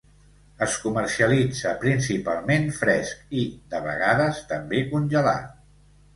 Es comercialitza principalment fresc i, de vegades també, congelat.